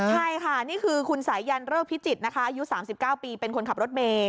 ใช่ค่ะนี่คือคุณสายันเริกพิจิตรนะคะอายุ๓๙ปีเป็นคนขับรถเมย์